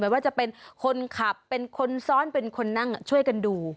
ว่าจะเป็นคนขับเป็นคนซ้อนเป็นคนนั่งช่วยกันดู